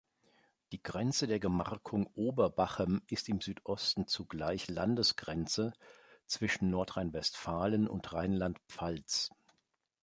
Die Grenze der Gemarkung Oberbachem ist im Südosten zugleich Landesgrenze zwischen Nordrhein-Westfalen und Rheinland-Pfalz.